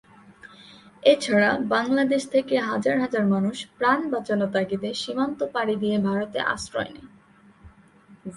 এছাড়া বাংলাদেশ থেকে হাজার হাজার মানুষ প্রাণ বাঁচানো তাগিদে সীমান্ত পাড়ি দিয়ে ভারতে আশ্রয় নেয়।